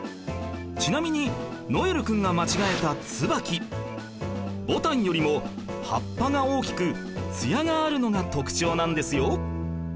ちなみに如恵留君が間違えたつばきぼたんよりも葉っぱが大きくツヤがあるのが特徴なんですよ